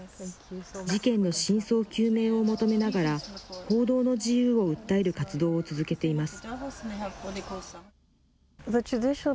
事件の真相究明を求めながら、報道の自由を訴える活動を続けています。